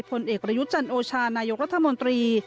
ผลเอกประยุทธ์จันโอชานายกรัฐมนตรี